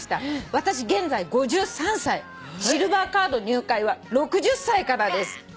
「私現在５３歳」「シルバーカード入会は６０歳からです」